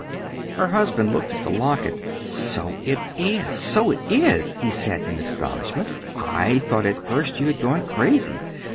Her husband looked at the locket. "So it is! So it is!" he said in astonishment. "I thought at first you had gone crazy."